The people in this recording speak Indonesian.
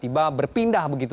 tiba tiba berpindah begitu